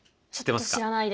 ちょっと知らないです。